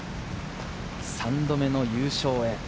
３度目の優勝へ。